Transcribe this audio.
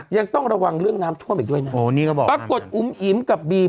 ยังต้องระวังเรื่องน้ำท่วมอีกด้วยนะโอ้นี่ก็บอกปรากฏอุ๋มอิ๋มกับบีม